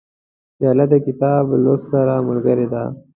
پیاله د کتاب لوست سره ملګرې ده.